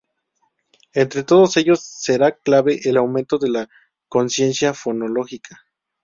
Entre todos ellos será clave el aumento de la conciencia fonológica.